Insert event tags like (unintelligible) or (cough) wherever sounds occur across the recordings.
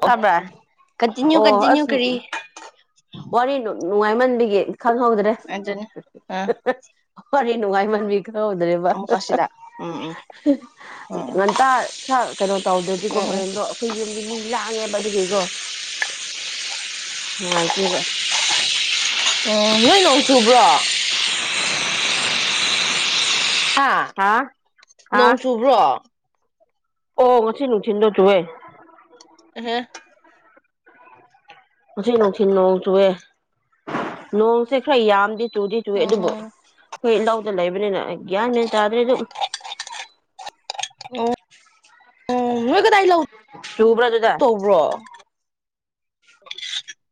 ꯑꯣ ꯇꯕ꯭ꯔ continue continue ꯀꯔꯤ ꯋꯥꯔꯤꯅꯣ ꯅꯨꯡꯉꯥꯏꯃꯟꯕꯒꯤ ꯈꯪꯍꯧꯗ꯭ꯔꯦ ꯑꯗꯨꯅꯤ ꯎꯝ ꯐꯔꯦ ꯅꯨꯡꯉꯥꯏꯃꯟꯕꯒꯤ ꯀꯩꯍꯧꯗ꯭ꯔꯦꯕ ꯑꯃꯨꯛꯀ ꯁꯤꯗ ꯎꯝ ꯎꯝ ꯎꯝ ꯉꯟꯇꯥ ꯁꯥ ꯀꯩꯅꯣ ꯎꯝ ꯇꯧꯗ꯭ꯔꯗꯤꯀꯣ ꯎꯝ ꯎꯝ ꯍꯣꯔꯦꯟꯗꯣ ꯑꯩꯈꯣꯏ ꯌꯨꯝꯒꯤ ꯃꯤ ꯂꯥꯡꯉꯦ ꯃꯗꯤꯕꯤꯩꯀꯣ (unintelligible) ꯎꯝ ꯅꯣꯏ ꯅꯣꯡ ꯆꯨꯕ꯭ꯔꯣ ꯍꯥ ꯍꯥ ꯅꯣꯡ ꯆꯨꯕ꯭ꯔꯣ ꯑꯣ ꯉꯆ ꯅ ꯊꯤꯟꯟꯗꯣ ꯇꯨꯋꯦ ꯍꯍꯦ ꯁꯤ ꯅꯨꯡꯁꯤ ꯅꯣꯡ ꯆꯨꯑꯦ ꯅꯣꯡꯁꯦ ꯈꯔ ꯌꯥꯝꯗꯤ ꯇꯨꯗꯤ ꯇꯨꯋꯦ ꯑꯗꯨꯕꯣ ꯎꯝꯍꯨꯝ ꯑꯩꯈꯣꯏ ꯂꯧꯗ ꯂꯩꯕꯅꯤꯅ ꯒ꯭ꯌꯥꯟ ꯃꯦꯟ ꯇꯥꯗ꯭ꯔꯦ ꯑꯗꯨꯝ ꯑꯣ ꯑꯣ ꯀꯗꯥꯏ ꯂꯧꯅ ꯆꯨꯕ꯭ꯔꯥ ꯑꯗꯨꯗ ꯇꯧꯕ꯭ꯔꯣ ꯑ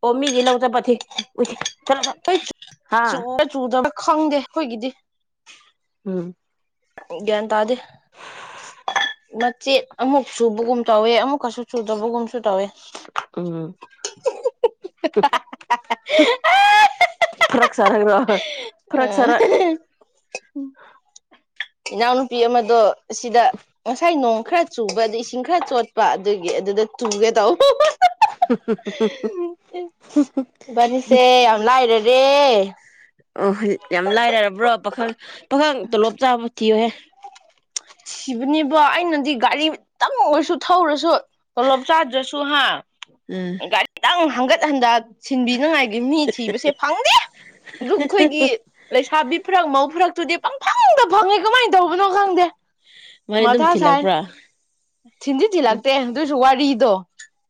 ꯑꯣ ꯃꯤ ꯦꯂ ꯍꯧꯗ ꯄꯊꯤ ꯑꯩꯣꯏ ꯆ ꯆꯨꯗꯅ ꯈꯪꯗꯦ ꯑꯩꯈꯣꯏꯒꯤꯗꯤ ꯎꯝ ꯌꯦ ꯇꯗꯦ ꯃꯆꯦꯠ ꯑꯃꯨꯛ ꯁꯨꯕꯒꯨꯝ ꯇꯧꯋꯦ ꯑꯃꯨꯛꯀꯁꯨ ꯁꯨꯗꯕꯒꯨꯝꯁꯨ ꯇꯧꯋꯦ ꯎꯝ ꯐꯔ ꯁꯔꯦꯡ ꯑ ꯏꯅꯥꯎꯅꯨꯄꯤ ꯑꯃꯗꯣ ꯁꯤꯗ ꯉꯁꯥꯏ ꯅꯣꯡ ꯈꯔ ꯆꯨꯕ ꯑꯗ ꯏꯁꯤꯡ ꯈꯔ ꯆꯣꯠꯄ ꯑꯗꯨꯒꯤ ꯑꯗꯨꯗ ꯆꯨꯒꯦ ꯇꯧꯕ ꯏꯕꯥꯅꯤꯁꯦ ꯌꯥꯝ ꯂꯥꯏꯔꯔꯦ ꯑꯣꯣꯏ ꯌꯥꯝ ꯂꯥꯏꯔꯔꯕ꯭ꯔꯣ ꯄꯥꯈꯪ ꯄꯥꯈꯪ ꯇꯣꯂꯣꯞ ꯆꯥꯕ ꯊꯤꯌꯨꯍꯦ ꯁꯤꯕꯅꯦꯕꯣ ꯑꯩꯅꯗꯤ ꯒꯥꯔꯤ ꯇꯝꯃ ꯑꯣꯏꯔꯁꯨ ꯊꯧꯔꯁꯨ ꯇꯣꯂꯣꯞ ꯆꯥꯗ꯭ꯔꯁꯨ ꯍꯥ ꯎꯝ ꯒꯥꯔꯤꯗꯪ ꯍꯒꯠ ꯑꯗ ꯁꯤꯟꯕꯤꯅꯉꯥꯏꯒꯤ ꯃꯤ ꯊꯤꯕꯁꯦ ꯐꯪꯗꯦ ꯑꯗꯨ ꯑꯩꯈꯣꯏꯒꯤ ꯂꯩꯁꯥꯕꯤ ꯐꯨꯔꯛ ꯃꯧ ꯐꯨꯔꯛ ꯇꯨꯗꯤ ꯄꯪ ꯐꯪꯗ ꯐꯪꯉꯦ ꯀꯃꯥꯏꯅ ꯇꯧꯕꯅꯣ ꯈꯪꯗꯦ ꯃꯥꯗꯤ ꯑꯗꯨꯝ ꯃꯊꯥ ꯁꯥꯏ ꯊꯤꯜꯂꯛꯄ꯭ꯔꯥ ꯊꯤꯟꯖꯤꯟ ꯊꯤꯜꯂꯛꯇꯦ ꯑꯗꯨꯏꯁꯨ ꯋꯥꯔꯤꯗꯣ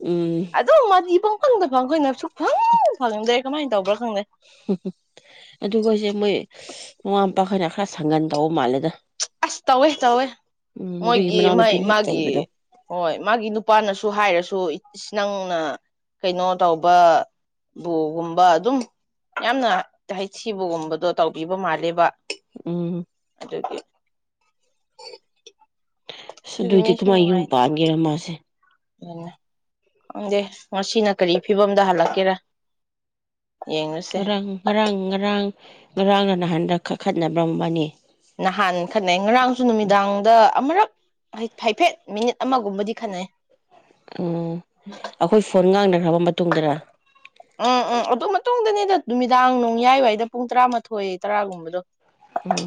ꯎꯝ ꯑꯗꯨꯝ ꯀꯗ ꯐꯪꯈꯣꯏꯅ ꯁꯨ ꯐꯜ ꯐꯜꯗ ꯀꯃꯥꯏꯅ ꯇꯧꯕ꯭ꯔꯥ ꯈꯪꯗꯦ ꯑꯗꯨꯒꯣꯏꯁꯦ ꯃꯣꯏ ꯃꯃꯥ ꯃꯄꯥꯈꯅ ꯈꯔ ꯁꯪꯒꯟ ꯇꯧꯕ ꯃꯥꯜꯂꯦꯗ ꯑꯁ ꯇꯧꯋꯦ ꯇꯧꯋꯦ ꯎꯝ ꯑꯗꯨꯒꯤ ꯃꯣꯏꯒꯤ ꯃꯩ ꯃꯅꯥꯎꯅꯨꯄꯤꯅ ꯍꯦꯛ ꯃꯥꯒꯤ ꯆꯩꯕꯗꯣ ꯍꯣꯏ ꯃꯥꯒꯤ ꯅꯨꯄꯥꯅꯁꯨ ꯍꯥꯏꯔꯁꯨ ꯁꯨ ꯅꯪꯅ ꯀꯩꯅꯣ ꯇꯧꯕ ꯕꯨꯒꯨꯝꯕ ꯑꯗꯨꯝ ꯌꯥꯝꯅ ꯍꯩꯊꯤꯕꯒꯨꯝꯕꯗꯣ ꯇꯧꯕꯤꯕ ꯃꯥꯜꯂꯦꯕ ꯎꯝ ꯑꯆꯥ ꯑ ꯑꯁ ꯑꯗꯨꯒꯤ ꯑꯗꯨꯑꯣꯏꯗꯤ ꯀꯃꯥꯏꯅ ꯌꯨꯝ ꯄꯥꯟꯒꯦꯔ ꯃꯥꯁꯦ ꯑꯗꯨ ꯈꯪꯗꯦ ꯉꯁꯤꯅ ꯀꯔꯤ ꯐꯤꯕꯝꯗ ꯍꯜꯂꯛꯀꯦꯔꯥ ꯌꯦꯡꯉꯨꯁꯦ ꯔꯪ ꯔꯪ ꯔꯪ ꯉꯔꯥꯡꯒ ꯅꯍꯥꯟꯗ ꯀꯛꯈꯠꯅꯔꯝꯕꯅꯤ ꯅꯍꯥꯟ ꯈꯠꯅꯩ ꯉꯔꯥꯡꯁꯨ ꯅꯨꯃꯤꯗꯥꯡꯗ ꯑꯃꯨꯔꯛ ꯍꯥꯏꯐꯦꯠ ꯃꯤꯅꯤꯠ ꯑꯃꯒꯨꯝꯕꯗꯤ ꯈꯟꯅꯅꯩ ꯎꯝ ꯑꯩꯈꯣꯏ ꯐꯣꯟ ꯉꯥꯡꯅꯈ꯭ꯔꯕ ꯃꯇꯨꯡꯗꯔ ꯎꯝ ꯎꯝ ꯑꯣꯗ ꯃ ꯃꯇꯨꯡꯗꯅꯤꯗ ꯅꯨꯃꯤꯗꯥꯡ ꯣꯡꯌꯥꯏꯋꯥꯏꯗ ꯄꯨꯡ ꯇꯔꯥꯃꯥꯊꯣꯏ ꯇꯔꯥꯒꯨꯝꯕꯗꯣ ꯎꯝ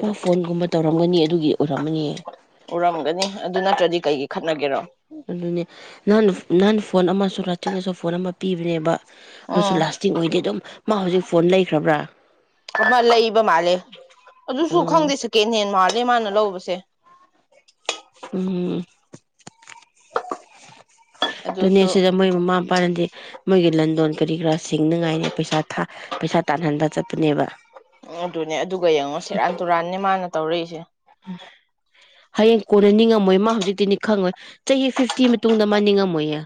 ꯃꯥ ꯐꯣꯟꯒꯨꯝꯕ ꯇꯧꯔꯝꯒꯅꯤ ꯑꯗꯨꯒꯤ ꯑꯣꯏꯔꯝꯃꯅꯤ ꯎꯔꯝꯒꯅꯤ ꯑꯗꯨ ꯅꯠꯇ꯭ꯔꯗꯤ ꯀꯩꯒꯤ ꯈ ꯑꯗꯨꯅꯦ ꯅ ꯅꯥꯟ ꯐꯣꯟ ꯑꯃꯁꯨ ꯆꯤꯟꯅꯁꯨ ꯐꯣꯟ ꯑꯃ ꯄꯤꯕꯅꯦꯕ ꯑꯗꯨꯁꯨ ꯎꯝ ꯂꯥꯁꯇꯤꯡ ꯑꯣꯏꯗꯦ ꯑꯗꯨꯝ ꯃꯥ ꯍꯧꯖꯤꯛ ꯐꯣꯟ ꯂꯩꯈ꯭ꯔꯕ꯭ꯔꯥ ꯑꯃ ꯂꯩꯕ ꯃꯥꯜꯂꯦ ꯑꯗꯨꯁꯨ ꯎꯝ ꯈꯪꯗꯦ ꯁꯦꯀꯦꯟ ꯍꯦꯟ ꯃꯥꯜꯂꯦ ꯃꯥꯅ ꯂꯧꯕꯁꯦ ꯎꯝ ꯑꯗꯨꯅꯦ ꯑꯗꯨꯁꯨ ꯁꯤꯗ ꯃꯣꯏ ꯃꯃꯥ ꯃꯄꯥꯅꯗꯤ ꯃꯣꯏꯒꯤ ꯂꯟꯗꯣꯟ ꯀꯔꯤ ꯀꯔꯥ ꯁꯤꯡꯅꯉꯥꯏꯅꯤ ꯄꯩꯁꯥ ꯊꯥ ꯄꯩꯁꯥ ꯇꯥꯟꯍꯟꯕ ꯆꯠꯇꯄꯅꯦꯕ ꯎ ꯑꯗꯨꯅꯦ ꯑꯗꯨꯒ ꯌꯦꯡꯉꯣ ꯁꯦꯔꯥꯟ ꯇꯨꯔꯥꯟꯅꯦ ꯃꯥꯅ ꯇꯧꯔꯛꯏꯁꯦ ꯍꯌꯦꯡ ꯀꯣꯟꯅ ꯅꯤꯡꯉꯝꯃꯣꯏ ꯃꯥ ꯍꯧꯖꯤꯛꯇꯤꯅꯤ ꯈꯪꯉꯣꯏ ꯆꯍꯤ ꯐꯤꯐꯇꯤ ꯃꯇꯨꯡꯗ ꯃꯥ ꯅꯤꯡꯉꯝꯃꯣꯏꯌꯦ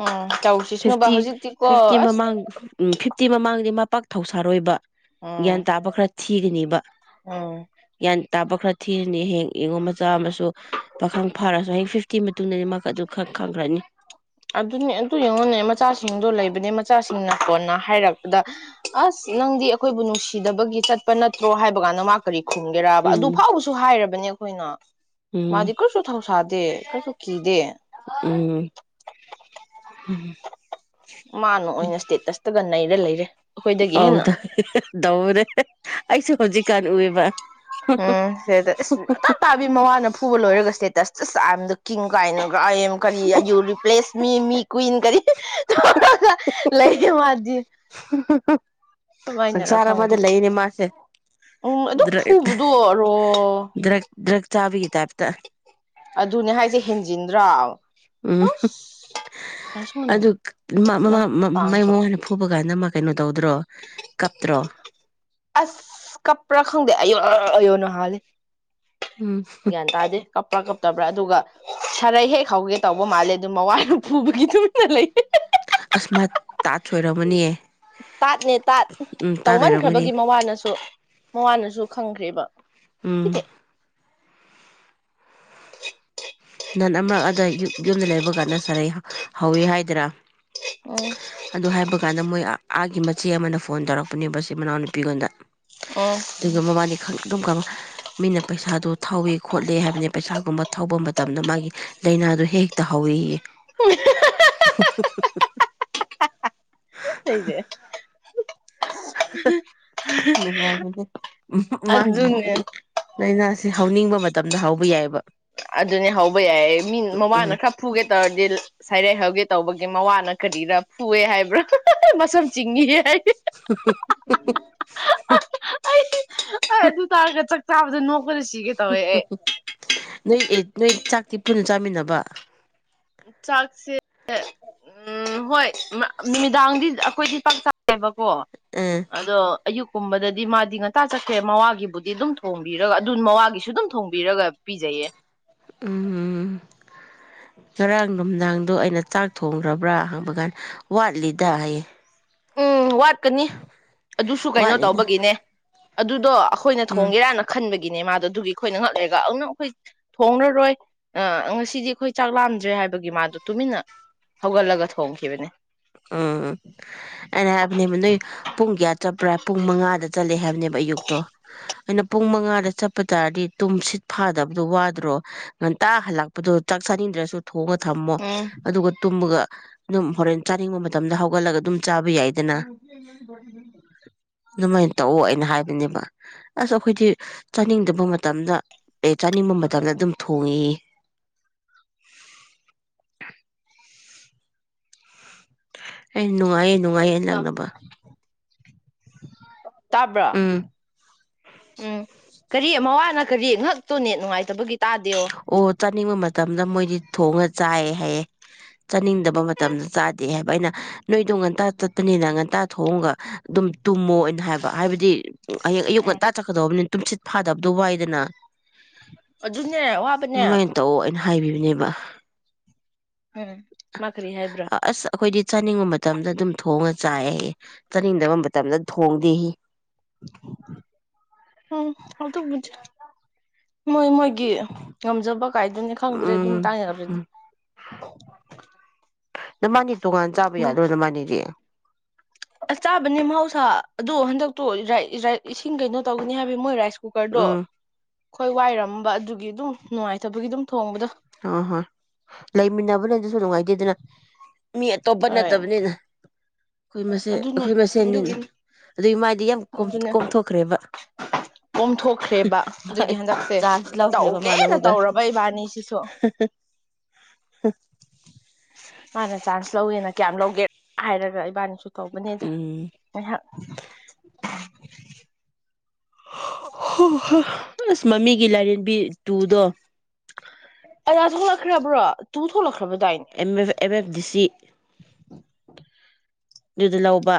ꯎꯝ ꯇꯧꯁꯤꯁꯅꯨꯕ ꯐꯤꯐꯇꯤ ꯍꯧꯖꯤꯛꯇꯤꯀꯣ ꯐꯤꯐꯇꯤ ꯑꯁ ꯃꯃꯥꯡ ꯎꯝ ꯐꯤꯐꯇꯤ ꯃꯃꯥꯡꯗꯤ ꯄꯥꯛ ꯊꯧꯁꯥꯔꯣꯏꯕ ꯎꯝ ꯟ ꯇꯥꯕꯈ꯭ꯔ ꯊꯤꯒꯅꯦꯕ ꯎꯝ ꯇꯥꯕ ꯊꯤꯔꯅꯤ ꯍꯌꯦ ꯌꯦꯡꯉꯣ ꯃꯆꯥ ꯑꯃꯁꯨ ꯄꯥꯈꯪ ꯐꯥꯔꯁꯨ ꯍꯌꯦꯡ ꯐꯤꯐꯇꯤ ꯃꯇꯨꯡꯗꯅꯤ ꯃꯥꯛ ꯑꯗꯨ ꯈ ꯈꯪꯈ꯭ꯔꯅꯤ ꯑꯗꯨꯅꯦ ꯑꯗꯨ ꯌꯦꯡꯉꯣꯅꯦ ꯃꯆꯥꯁꯤꯡꯗꯣ ꯂꯩꯕꯅꯦ ꯃꯆꯥꯁꯤꯡꯅ ꯍꯣꯟꯅ ꯍꯥꯏꯔꯛꯄꯗ ꯑꯁ ꯅꯪꯗꯤ ꯑꯩꯈꯣꯏꯕꯨ ꯅꯨꯡꯁꯤꯗꯕꯒꯤ ꯆꯠꯄ ꯅꯠꯇ꯭ꯔꯣ ꯍꯥꯏꯕꯀꯥꯟꯗ ꯃꯥ ꯀꯔꯤ ꯈꯨꯝꯒꯦꯔꯕ ꯑꯗꯨ ꯎꯝ ꯐꯥꯎꯕꯁꯨ ꯍꯥꯏꯔꯕꯅꯦ ꯑꯩꯈꯣꯏꯅ ꯃꯥꯗꯤ ꯎꯝ ꯀꯔꯤꯁꯨ ꯊꯧꯁꯥꯗꯦ ꯀꯔꯤꯁꯨ ꯀꯤꯗꯦ ꯎꯝ ꯃꯥꯅꯣ ꯑꯣꯏꯅ ꯏꯁꯇꯦꯇꯁꯇ ꯅꯩꯅꯔ ꯂꯩꯔꯦ ꯑꯩꯈꯣꯏꯗꯒꯤ ꯍꯦꯟꯅ ꯍꯥꯎꯗ ꯗꯧ꯭ꯔꯦ ꯑꯁꯨ ꯍꯧꯖꯤꯛ ꯀꯔꯨꯦꯕ ꯎꯝ ꯁꯤꯗ ꯏꯁꯁ ꯑ ꯇꯥꯕꯤ ꯃꯋꯥꯅ ꯐꯨꯕ ꯂꯣꯏꯔꯒ ꯏꯁꯇꯦꯇꯁ ꯑꯁ ꯑꯥꯗ ꯀ ꯀꯥꯏꯅ ꯥꯏ ꯀꯔꯤꯨ ꯔꯤꯄ꯭ꯂꯦꯁ ꯃꯤ ꯃꯤ ꯀꯨꯋꯟ ꯀꯔꯤ ꯇ ꯂꯩꯒ ꯃꯥꯗꯤ ꯀꯃꯥꯏꯅꯔ ꯁꯪꯁꯥꯔ ꯑꯃꯗ ꯈꯪꯗꯦ ꯂꯩꯅꯦ ꯃꯥꯁꯦ ꯎꯝ ꯑꯗꯨꯣ ꯗ꯭ꯔꯛ ꯐꯨꯕꯗꯣ ꯑꯣꯏꯔꯣ ꯆꯥꯕꯤꯒꯤ ꯇꯦꯞꯇ ꯑꯗꯨꯅꯦ ꯍꯥꯏꯁꯦ ꯍꯦꯟꯖꯤꯟꯗ꯭ꯔ ꯎꯝ ꯉꯁꯨꯅꯨ ꯑꯗꯨꯃ ꯅꯪ ꯃꯥꯏ ꯀꯥꯡꯁꯨ ꯃꯉꯅ ꯐꯨꯕ ꯀꯥꯟꯗ ꯑꯃ ꯀꯩꯅꯣ ꯇꯧꯗ꯭ꯔꯣ ꯀꯞꯇ꯭ꯔꯣ ꯑꯁ ꯀꯄꯔ ꯈꯪꯗꯦ ꯑꯌ ꯑꯌꯣ ꯅꯍꯂꯦ ꯎꯝ ꯟ ꯇꯥꯖꯦ ꯀꯞꯄ꯭ꯔꯥ ꯀꯞꯇꯕ꯭ꯔꯥ ꯑꯗꯨꯒ ꯁꯔꯩ ꯍꯦꯛ ꯍꯧꯒꯦ ꯇꯧꯕ ꯃꯥꯜꯂꯦ ꯑꯗꯨꯝ ꯃꯋꯥꯅ ꯐꯨꯕꯒꯤꯗꯨꯃꯠꯇ ꯂꯩ ꯑꯁꯃ ꯇꯥ ꯊꯣꯏꯔꯝꯃꯅꯤꯌꯦ꯫ ꯇꯥꯠꯅꯦ ꯇꯥꯠ ꯑꯣꯏꯔꯝꯒꯅꯤ ꯇꯧꯃꯟꯈ꯭ꯔꯕꯒꯤ ꯃꯋꯥꯅꯁꯨ ꯃꯋꯥꯅꯁꯨ ꯈꯪꯈ꯭ꯔꯦꯕ ꯁꯤꯗꯤ ꯎꯝ ꯅꯟ ꯑꯃꯛ ꯑꯗ ꯌꯛ ꯌꯨꯝꯗ ꯂꯩꯕ ꯀꯥꯟꯅ ꯁꯥꯔ ꯍꯧꯋꯤ ꯍꯥꯏꯗꯔꯥ ꯎꯝ ꯑꯗꯨ ꯍꯥꯏꯕ ꯀꯥꯟꯗ ꯃꯣꯏ ꯑꯥꯒꯤ ꯃꯆꯦ ꯑꯃꯅ ꯐꯣꯟ ꯇꯧꯔꯛ ꯄꯨꯅꯦꯕꯕꯁꯤ ꯃꯅꯥꯎ ꯅꯨꯄꯤꯒꯣꯟꯗ ꯎꯝ ꯑꯗꯨꯒ ꯃꯃꯥꯅꯤ ꯈ ꯑꯗꯨꯝ ꯀꯪ ꯃꯤꯅ ꯄꯩꯁꯥꯗꯨ ꯊꯥꯎꯋ ꯈꯣꯠꯂꯤ ꯍꯥꯏꯕꯅꯤ ꯄꯩꯁꯥꯒꯨꯝꯕ ꯊꯥꯎꯧꯕ ꯃꯇꯝ ꯃꯇꯝꯗ ꯃꯥꯒꯤ ꯂꯥꯏꯅꯥꯗ ꯍꯦꯛꯇ ꯍꯧꯋꯌꯦ (unintelligible) (unintelligible) ꯑꯩꯩꯁꯦ ꯅꯨꯡꯉꯥꯏꯕꯅꯦ ꯃꯥꯒꯤ ꯑꯗꯨꯅꯦ ꯂꯥꯏꯅꯥ ꯁꯤ ꯍꯧꯅꯤꯡꯕ ꯃꯇꯝꯗ ꯍꯧꯕ ꯌꯥꯏꯑꯕ ꯑꯗꯨꯅꯦ ꯍꯧꯕ ꯌꯥꯏꯌꯦ ꯃꯤ ꯃꯕꯥꯅ ꯎꯝ ꯈꯔ ꯐꯨꯒꯦ ꯇꯧꯔꯗꯤ ꯁꯥꯏꯔꯩ ꯍꯧꯒꯦ ꯇꯧꯕꯒꯤ ꯃꯋꯥꯅ ꯀꯔꯤꯔ ꯐꯨꯑꯦ ꯍꯥꯏꯕ꯭ꯔꯥ ꯃꯁꯝ ꯆꯤꯡꯏ ꯑꯗꯨ ꯇꯥꯔꯒ ꯆꯥꯛ ꯆꯥꯕ ꯅꯣ ꯁꯤꯒꯦ ꯇꯋꯦ ꯅꯣꯏ ꯑꯦ ꯅꯣꯏ ꯆꯥꯛꯇꯤ ꯄꯨꯟꯅ ꯆꯥꯃꯤꯟꯅꯕ ꯆꯥꯛꯁꯦ ꯎꯝ ꯍꯣꯏ ꯅꯨꯃꯤꯗꯥꯡꯗꯤ ꯑꯩꯈꯣꯏꯗꯤ ꯄꯪꯆꯥ ꯌꯦꯕꯀꯣ ꯑꯦ ꯑꯗꯣ ꯑꯌꯨꯛꯀꯨꯝꯕꯗꯗꯤ ꯃꯥꯗꯤ ꯉꯟꯇꯥ ꯆꯠꯈ꯭ꯔꯦ ꯃꯋꯥꯒꯤꯕꯨꯗꯤ ꯑꯗꯨꯝ ꯊꯣꯡꯕꯤꯔꯒ ꯑꯗꯨ ꯃꯋꯥꯒꯤꯁꯨ ꯑꯗꯨꯝ ꯊꯣꯡꯕꯤꯔꯒ ꯄꯤꯖꯩꯌꯦ ꯎꯝ ꯉꯔꯥꯡ ꯅꯨꯡꯗꯥꯡꯗꯣ ꯑꯩꯅ ꯆꯥꯛ ꯊꯣꯡꯈ꯭ꯔꯕ꯭ꯔꯥ ꯍꯪꯕ ꯀꯥꯟꯗ ꯋꯥꯠꯂꯤꯗ ꯍꯥꯏꯌꯦ ꯎꯝ ꯋꯥꯠꯀꯅꯤ ꯑꯗꯨꯁꯨ ꯀꯩꯅꯣ ꯋꯥꯠꯂꯤꯗ ꯇꯧꯕꯒꯤꯅꯦ ꯑꯗꯨꯗꯣ ꯑꯩꯈꯣꯏꯅ ꯎꯝ ꯊꯣꯡꯒꯦꯔꯥꯅ ꯈꯟꯕꯒꯤ ꯒꯤꯅꯦ ꯃꯥꯗꯣ ꯑꯗꯨꯒꯤ ꯑꯩꯈꯣꯏꯅ ꯉꯛ ꯂꯩꯔꯒ ꯑꯗꯨ ꯅꯪ ꯑꯩꯈꯣꯏ ꯊꯣꯡꯔꯔꯣꯏ ꯑ ꯉꯁꯤꯗꯤ ꯑꯩꯈꯣꯏ ꯆꯥꯛ ꯂꯥꯝꯗ꯭ꯔꯦ ꯍꯥꯏꯕꯒꯤ ꯃꯥꯗꯣ ꯇꯨꯃꯤꯟꯅ ꯍꯧꯒꯠꯂꯒ ꯊꯣꯡꯈꯤꯕꯅꯦ ꯎꯝ ꯑꯩꯅ ꯍꯥꯏꯕꯅꯦꯕ ꯅꯣꯏ ꯄꯨꯡ ꯀꯌꯥ ꯆꯠꯄ꯭ꯔꯥ ꯄꯨꯡ ꯃꯉꯥꯗ ꯆꯠꯂꯦ ꯍꯥꯏꯕꯅꯦꯕ ꯑꯌꯨꯛꯇꯣ ꯑꯩꯅ ꯄꯨꯡ ꯃꯉꯥꯗ ꯆꯠꯄ ꯇꯥꯔꯗꯤ ꯇꯨꯝ ꯁꯤꯠ ꯐꯥꯗꯕꯗꯣ ꯋꯥꯗ꯭ꯔꯣ ꯉꯟꯇꯥ ꯍꯜꯂꯛꯄꯗꯣ ꯆꯥꯛ ꯆꯥꯅꯤꯡꯗ꯭ꯔꯁꯨ ꯊꯣꯡꯉ ꯊꯝꯃꯣ ꯎꯝ ꯑꯗꯨꯒ ꯇꯨꯝꯃꯒ ꯑꯗꯨꯝ ꯍꯣꯔꯦꯟ ꯆꯥꯅꯤꯡꯕ ꯃꯇꯝꯗ ꯍꯧꯒꯠꯂꯒ ꯑꯗꯨꯝ ꯆꯥꯕ ꯌꯥꯏꯗꯅ ꯑꯗꯨꯃꯥꯏꯅ ꯇꯧꯑꯣ ꯑꯩꯅ ꯍꯥꯏꯕꯅꯦꯕ ꯑꯁ ꯑꯩꯈꯣꯏꯗꯤ ꯆꯥꯅꯤꯡꯗꯕ ꯃꯇꯝꯗ ꯆꯥꯅꯤꯡꯕ ꯃꯇꯝꯗ ꯑꯗꯨꯝ ꯊꯣꯡꯉꯦꯌꯦ ꯑꯩꯅ ꯅꯨꯡꯉꯥꯏꯌꯦ ꯅꯨꯡꯉꯥꯏꯌꯦ ꯂꯛꯅꯕ ꯇꯥꯕ꯭ꯔꯣ ꯎꯝ ꯎꯝ ꯀꯔꯤ ꯃꯋꯥꯅ ꯀꯔꯤ ꯉꯍꯥꯛꯇꯣ ꯅꯦꯠ ꯅꯨꯡꯉꯥꯏꯇꯕꯒꯤ ꯇꯥꯗꯦꯣ ꯑꯣ ꯆꯥꯅꯤꯡꯕ ꯃꯇꯝꯗ ꯃꯣꯏꯗꯤ ꯊꯣꯡꯉ ꯆꯥꯏꯌꯦ ꯍꯥꯏꯌꯦ ꯆꯥꯅꯤꯡꯗꯕ ꯃꯇꯝꯗ ꯆꯥꯗꯦ ꯍꯥꯏꯕ ꯑꯩꯅ ꯅꯣꯏꯗꯣ ꯉꯟꯇꯥ ꯆꯠꯄꯅꯤꯅ ꯉꯟꯇꯥ ꯊꯣꯡꯒ ꯑꯗꯨꯝ ꯇꯨꯝꯃꯣꯅ ꯍꯥꯏꯕ ꯍꯥꯏꯕꯗꯤ ꯍꯌꯦꯡ ꯑꯌꯨꯛ ꯎꯝ ꯉꯟꯇꯥ ꯆꯠꯀꯗꯧꯕꯅꯤ ꯇꯨꯝꯁꯤꯠ ꯐꯥꯗꯕꯗꯣ ꯋꯥꯏꯗꯅ ꯑꯗꯨꯅꯦ ꯋꯥꯕꯅꯦ ꯑꯗꯨꯃꯥꯏꯅ ꯇꯧ ꯑꯩꯅ ꯍꯥꯏꯕꯤꯕꯅꯦꯕ ꯎꯝ ꯃꯥ ꯀꯔꯤ ꯍꯥꯏꯕ꯭ꯔꯥ ꯑꯁ ꯑꯩꯈꯣꯏꯗꯤ ꯆꯥꯅꯤꯡꯕ ꯃꯇꯝꯗ ꯑꯗꯨꯝ ꯊꯣꯡꯉ ꯆꯥꯏ ꯆꯥꯅꯤꯡꯗꯕ ꯃꯇꯝꯗ ꯊꯣꯡꯗꯦꯌꯦ (unintelligible) ꯑꯗꯨꯕꯨꯗꯤ ꯃꯣꯏ ꯃꯣꯏꯒꯤ ꯉꯝꯖꯕ ꯀꯥꯏꯗꯨꯅꯤ ꯈꯪꯗ꯭ꯔꯦ ꯑꯗꯨ ꯎꯝ ꯃꯇꯥꯡ ꯌꯎꯔꯗꯤ ꯎꯝ ꯅꯕꯅꯤ ꯇꯣꯉꯥꯟ ꯆꯥꯕ ꯌꯥꯗꯔꯣ ꯅꯕꯅꯤꯗꯤ ꯆꯥꯕꯅꯤ ꯃꯍꯧꯁꯥ ꯑꯗꯣ ꯍꯟꯗꯛꯇꯣ ꯏꯁꯤꯡ ꯀꯩꯅꯣ ꯇꯧꯒꯅꯤ ꯍꯥꯏꯕ ꯃꯣꯏ ꯔꯥꯏꯁ ꯀꯨꯀꯔꯗꯣ ꯎꯝ ꯑꯩꯈꯣꯏ ꯋꯥꯏꯔꯝꯕ ꯑꯗꯨꯒꯤ ꯑꯗꯨꯝ ꯅꯨꯡꯉꯥꯏꯇꯕꯒꯤ ꯑꯗꯨꯝ ꯊꯣꯡꯕꯗꯣ ꯑ ꯍꯣꯏ ꯂꯩꯃꯤꯟꯅꯕꯅꯦ ꯑꯗꯨꯁꯨ ꯅꯨꯡꯉꯥꯏꯇꯦꯗꯅ ꯃꯤ ꯑꯇꯣꯞꯄ ꯍꯣꯏ ꯅꯠꯇꯕꯅꯤꯅ ꯑꯩꯈꯣꯏ ꯃꯁꯦꯟ ꯑꯗꯨꯅꯦ ꯑꯩꯈꯣꯏ ꯃꯁꯦꯟꯅꯤꯅ ꯑꯗꯨꯒꯤꯅꯤ ꯑꯗꯨꯒꯤ ꯃꯥꯏꯗꯤ ꯌꯥꯝ ꯑꯗꯨꯅꯦ ꯀꯣꯝꯊꯣꯛꯈ꯭ꯔꯦꯕ ꯑꯣꯝꯊꯣꯛꯈ꯭ꯔꯦꯕ ꯑꯗꯨꯒꯤ ꯍꯟꯗꯛꯁꯦ ꯆꯥꯟꯁ ꯂꯧꯈ꯭ꯔꯦꯕ ꯃꯥꯅ ꯑꯃꯨꯛꯒ ꯝꯅꯥ ꯆꯥꯟꯆ ꯂꯧꯒꯦꯅ ꯀꯌꯥꯝ ꯍꯥꯏꯔ ꯏꯕꯥꯅꯤ ꯁ ꯇꯧꯕꯅꯦ ꯑꯗ ꯎꯝ ꯉꯥꯏꯍꯥꯛ (unintelligible) ꯍ ꯍꯣ ꯑꯁ ꯃꯃꯤ ꯑꯩꯒꯤ ꯂꯥꯏꯔꯦꯝꯕꯤ ꯇꯨꯗꯣ (unintelligible) ꯂ꯭ꯔꯣ ꯇꯨꯡ ꯊ ꯑꯦ ꯑꯦꯝ ꯑꯦꯐ ꯗꯤ ꯁꯤ ꯑꯗꯨꯗ ꯂꯧꯕ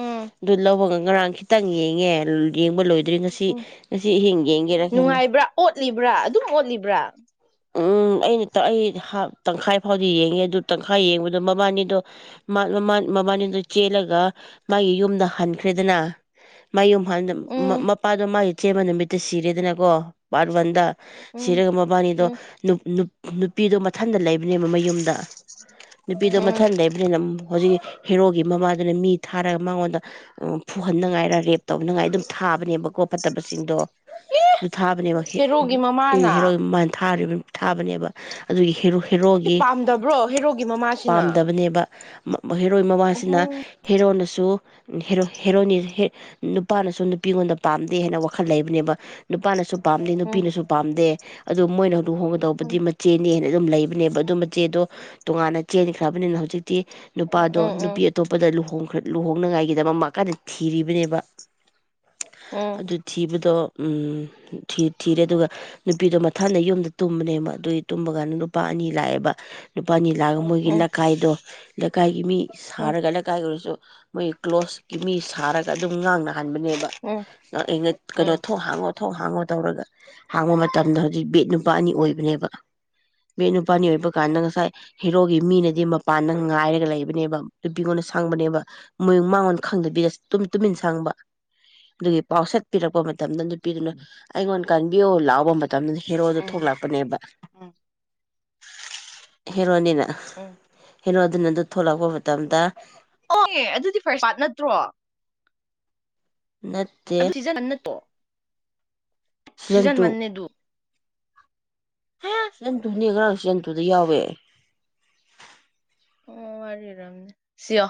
ꯎꯝ ꯑꯗꯨ ꯂꯧꯕꯒ ꯉꯔꯥꯡ ꯈꯤꯇꯪ ꯌꯦꯡꯉꯦ ꯡꯕ ꯂꯣꯏ ꯭ ꯉꯁꯤ ꯎꯝ ꯉꯁꯤ ꯑꯍꯤꯡ ꯌꯦꯡꯒꯦꯔꯥ ꯈꯪꯉꯦ ꯅꯨꯡꯉꯥꯏꯕ꯭ꯔꯥ ꯑꯣꯠꯂꯤꯕ꯭ꯔꯥ ꯑꯗꯨꯝ ꯑꯣꯠꯂꯤꯕ꯭ꯔꯥ ꯎꯝ ꯑꯩꯅ ꯑꯩ ꯇꯪꯈꯥꯏ ꯐꯥꯎꯗꯤ ꯌꯦꯡꯉꯦ ꯑꯗꯨ ꯇꯪꯈꯥꯏ ꯌꯦꯡꯕꯗꯣ ꯃꯕꯥꯅꯤꯗꯣ ꯃꯕꯥꯅꯤꯗꯣ ꯆꯦꯜꯂꯒ ꯃꯥꯒꯤ ꯌꯨꯝꯗ ꯍꯟꯈ꯭ꯔꯦꯗꯅ ꯃꯥ ꯌꯨꯝ ꯎꯝ ꯃꯄꯥꯗꯣ ꯃꯥꯏ ꯆꯦꯕ ꯅꯨꯃꯤꯠꯇ ꯁꯤꯔꯦꯗꯅꯀꯣ ꯄꯥꯔꯠ ꯋꯥꯟꯗ ꯎꯝ ꯁꯤꯔꯪ ꯕꯥꯕꯥꯅꯤꯗ ꯎꯝ ꯅꯨ ꯅꯨꯄꯤꯗ ꯃꯊꯟꯇ ꯂꯩꯕꯅꯦꯕ ꯃꯌꯨꯝꯗ ꯅꯨꯄꯤꯗꯣ ꯎꯝ ꯃꯊꯟ ꯂꯩꯕꯅꯤꯅ ꯍꯧꯖꯤꯛꯀꯤ ꯍꯦꯔꯣꯒꯤ ꯃꯃꯥꯗꯨꯅ ꯃꯤ ꯊꯥꯔꯒ ꯃꯉꯣꯟꯗ ꯎ ꯐꯨꯍꯟꯅꯉꯥꯏꯔ ꯔꯦꯞ ꯇꯧꯅꯉꯥꯏ ꯑꯗꯨꯝ ꯊꯥꯕꯅꯦꯕꯀꯣ ꯐꯠꯇꯕꯁꯤꯡꯗꯣ ꯔꯨꯊꯥꯕꯅꯦꯕ ꯍꯦꯔꯣꯒꯤ ꯎꯝ ꯃꯃꯥꯅ ꯍꯦꯔ ꯊꯥꯕꯅꯦꯕ ꯑꯗꯨꯒꯤ ꯍꯦꯔꯣꯏ ꯑꯦ ꯍꯦꯔꯣꯒꯤ ꯄꯥꯝꯗꯕ꯭ꯔꯣ ꯍꯦꯔꯣꯒꯤ ꯃꯃꯥꯁꯤꯅ ꯄꯥꯝꯗꯕꯅꯦꯕ ꯍꯦꯔꯣꯏ ꯃꯃꯥꯁꯤꯅ ꯎꯝ ꯍꯦꯔꯣꯅ ꯁꯨ ꯍꯦꯔꯣꯅꯤ ꯅꯨꯄꯥꯅꯁꯨ ꯅꯨꯄꯤꯉꯣꯟꯗ ꯄꯥꯝꯗꯦ ꯍꯥꯏꯅ ꯋꯥꯈꯜ ꯂꯩꯕꯅꯦꯕ ꯅꯨꯄꯥꯅꯁꯨ ꯄꯥꯝꯗꯦ ꯎꯝ ꯅꯨꯄꯤꯅꯁꯨ ꯄꯥꯝꯗꯦ ꯑꯣ ꯃꯣꯏꯅ ꯎꯝ ꯂꯨꯍꯣꯡꯒꯗꯧꯕꯗꯤ ꯃꯆꯦꯅꯤꯅ ꯑꯗꯨꯝ ꯂꯩꯕꯅꯦꯕ ꯑꯗꯨꯝꯕ ꯆꯦꯗꯣ ꯇꯣꯉꯥꯟꯅ ꯆꯦꯟꯈ꯭ꯔꯕꯅꯤꯅ ꯍꯧꯖꯤꯛꯇꯤ ꯅꯨꯄꯥꯗꯣ ꯎꯝ ꯅꯨꯄꯤ ꯎꯝ ꯑꯇꯣꯞꯄꯗ ꯂꯨꯍꯣꯡ ꯈꯨꯈꯔ ꯂꯨꯍꯣꯡꯅꯉꯥꯏꯒꯤꯗꯃꯛ ꯃꯥ ꯀꯥꯟꯗ ꯊꯤꯔꯤꯕꯅꯦꯕ ꯎꯝ ꯑꯗꯨ ꯊꯤꯕꯗꯣ ꯎꯝ ꯊꯤ ꯊꯤꯔꯦ ꯑꯗꯨꯒ ꯅꯨꯄꯤꯗꯣ ꯝꯇ ꯊꯟꯗ ꯌꯨꯝꯗ ꯇꯨꯝꯕꯅꯦꯕ ꯑꯗꯨꯏ ꯇꯨꯝꯕ ꯀꯥꯟꯗ ꯅꯨꯨꯄꯥ ꯑꯅꯤ ꯂꯥꯛꯑꯦꯕ ꯅꯨꯄꯥ ꯑꯅꯤ ꯂꯥꯛꯒ ꯃꯣꯏꯒꯤ ꯎꯝ ꯂꯩꯀꯥꯏꯗꯣ ꯂꯩꯀꯥꯏꯒꯤ ꯃꯤ ꯎꯝ ꯁꯥꯔꯒ ꯂꯩꯀꯥꯏ ꯑꯣꯏꯔꯁꯨ ꯃꯣꯏ ꯀ꯭ꯂꯣꯁꯀꯤ ꯃꯤ ꯁꯥꯔꯒ ꯑꯗꯨꯝ ꯉꯥꯡꯅ ꯍꯥꯟꯕꯅꯦꯕ ꯎꯝ ꯉꯥꯑꯩꯅꯠ ꯀꯩꯅꯣ ꯎꯝ ꯊꯣꯡ ꯍꯥꯡꯉꯣ ꯊꯣꯡ ꯍꯥꯡꯉꯣ ꯇꯧꯔꯒ ꯍꯥꯡꯕ ꯃꯇꯝꯗ ꯍꯧ ꯕꯦꯠ ꯅꯨꯄꯥ ꯑꯅꯤ ꯑꯣꯏꯕꯅꯦꯕ ꯕꯦꯠ ꯅꯨꯄꯥ ꯑꯅꯤ ꯑꯣꯏꯕ ꯀꯥꯟꯗ ꯉꯁꯥꯏ ꯍꯦꯔꯣꯒꯤ ꯃꯤꯅꯗꯤ ꯃꯄꯥꯟꯗ ꯉꯥꯏꯔꯒ ꯂꯩꯕꯅꯦꯕ ꯅꯨꯄꯤꯉꯣꯟꯅ ꯁꯡꯕꯅꯦꯕ ꯃꯣꯏꯨꯝ ꯃꯥꯡꯉꯣꯟꯗ ꯈꯡꯗꯕꯤꯗ ꯇꯨꯝ ꯇꯨꯃꯤꯟ ꯁꯡꯕ ꯑꯗꯨꯒꯤ ꯄꯥꯎꯁꯦꯠ ꯄꯤꯔꯛꯄ ꯃꯇꯝꯗ ꯅꯨꯄꯤꯗꯨꯅ ꯑꯩꯉꯣꯟꯗ ꯀꯥꯟꯕꯤꯌꯣ ꯂꯥꯎꯕ ꯃꯇꯝ ꯇꯝꯅꯤ ꯍꯦꯔꯣꯗꯨ ꯊꯣꯛꯂꯛꯄꯅꯦꯕ ꯎꯝ ꯍꯦꯔꯣꯅꯤꯅ ꯎꯝ ꯍꯔꯣ ꯑꯗꯨꯅ ꯑꯗꯨ ꯊꯣꯛꯂꯛꯄ ꯃꯇꯝꯗ ꯑꯣ ꯑꯗꯨꯗꯤ ꯐꯔꯁꯥꯠ ꯅꯠꯇ꯭ꯔꯣ ꯅꯠꯇꯦ ꯑꯗꯨ ꯁꯤꯖ ꯅꯝ ꯅꯠꯇꯣ ꯁꯤꯖꯟ ꯃꯟꯅꯦꯗꯨ ꯁꯟꯇꯨ ꯑꯅꯤ ꯉꯔꯥꯡ ꯁꯟꯇꯨꯗ ꯌꯥꯎꯋꯦ ꯑꯣ ꯋꯥꯔꯤꯔ ꯁꯤꯑꯣ